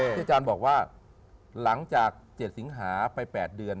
อาจารย์บอกว่าหลังจาก๗สิงหาไป๘เดือน